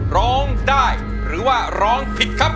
ร้องได้หรือว่าร้องผิดครับ